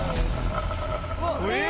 え⁉